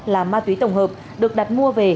là ma túy tổng hợp được đặt mua về